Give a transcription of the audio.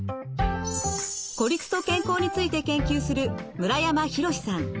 孤立と健康について研究する村山洋史さん。